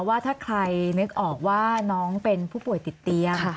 ว่าถ้าใครนึกออกว่าน้องเป็นผู้ป่วยติดเตียง